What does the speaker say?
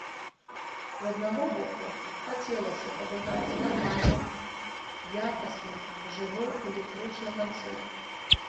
З аднаго боку, хацелася б адыграць нармальны, якасны, жывы, электрычны канцэрт.